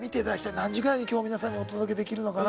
何時ぐらいに今日皆さんにお届けできるのかな。